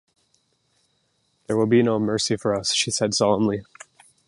"There will be no mercy for us," she said solemnly.